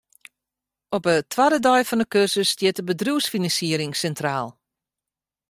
Op 'e twadde dei fan 'e kursus stiet de bedriuwsfinansiering sintraal.